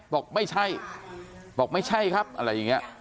บอกไม่ใช่บอกไม่ใช่ครับอะไรอย่างนี้